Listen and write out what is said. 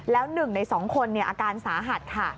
แล้ว๑ใน๒คนอาการสาหัสค่ะ